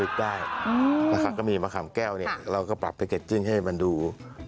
นะครับก็มีมะขามแก้วเนี่ยเราก็ปรับแพ็จจิ้งให้มันดู